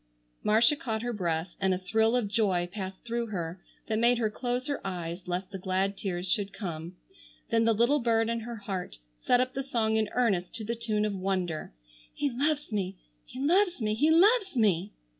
Marcia caught her breath and a thrill of joy passed through her that made her close her eyes lest the glad tears should come. Then the little bird in her heart set up the song in earnest to the tune of Wonder: "He loves me, He loves me, He loves me!"